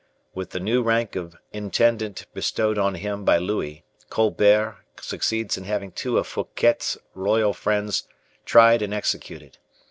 With the new rank of intendant bestowed on him by Louis, Colbert succeeds in having two of Fouquet's loyal friends tried and executed.